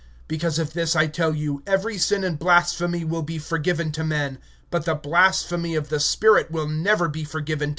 (31)Therefore I say to you, every sin and blasphemy will be forgiven to men; but the blasphemy against the Spirit will not be forgiven.